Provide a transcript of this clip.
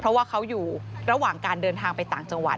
เพราะว่าเขาอยู่ระหว่างการเดินทางไปต่างจังหวัด